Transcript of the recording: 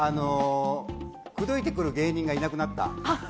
口説いてくる芸人がいなくなった。